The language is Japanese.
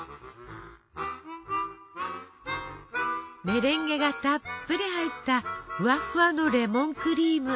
メレンゲがたっぷり入ったふわふわのレモンクリーム。